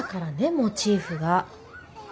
モチーフが。